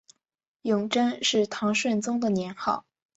永贞是唐顺宗的年号。